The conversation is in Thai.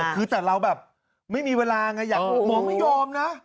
คือแต่เราแบบไม่มีเวลาไงหมอไม่ยอมนะ